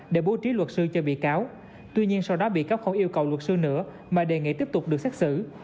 để bố trí luật sư cho bị cáo tuy nhiên sau đó bị cáo không yêu cầu luật sư nữa mà đề nghị tiếp tục được xét xử